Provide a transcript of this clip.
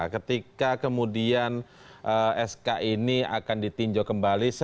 ketika kemudian sk ini akan ditinjau kembali